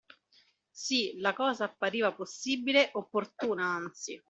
Sì, la cosa appariva possibile, opportuna anzi.